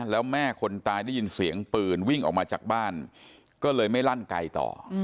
แล้วแม่คนตายได้ยินเสียงปืนวิ่งออกมาจากบ้านก็เลยไม่ลั่นไกลต่อ